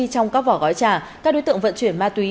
trong các vỏ gói trà các đối tượng vận chuyển ma túy